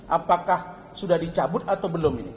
apakah sudah dicabut atau belum ini